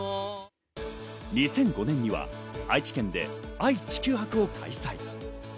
２００５年には愛知県で愛・地球博を開催。